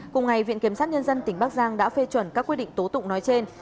cùng ngày viện kiểm sát nhân dân tỉnh bắc giang đã phê chuẩn các quyết định tố tụng nói trên